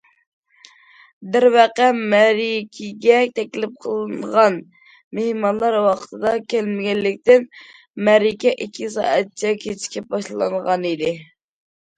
دەرۋەقە، مەرىكىگە تەكلىپ قىلىنغان مېھمانلار ۋاقتىدا كەلمىگەنلىكتىن، مەرىكە ئىككى سائەتچە كېچىكىپ باشلانغانىدى.